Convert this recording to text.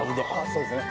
そうですね。